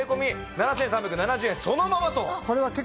７３７０円そのままと。